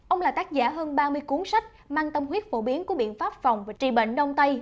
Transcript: ông là tác giả hơn ba mươi cuốn sách mang tâm huyết phổ biến của biện pháp phòng và tri bệnh đông tây